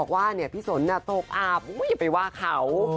ว่าพี่สนตกอาบอย่าไปว่าเขา